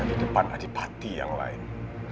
di depan adik adik yang lain